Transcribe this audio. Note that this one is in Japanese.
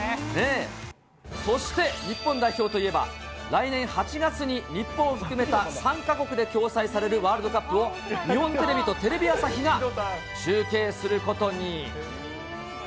そして、日本代表といえば、来年８月に、日本を含めた３か国で共催されるワールドカップを、日本テレビとテレビ朝日が中継することに。